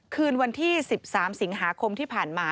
คืนวันที่๑๓สิงหาคมที่ผ่านมา